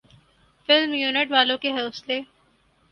film unit والوں کے حوصلے